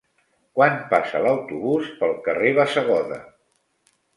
Quan passa l'autobús pel carrer Bassegoda?